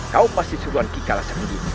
kau pasti suruhan kikalas renggi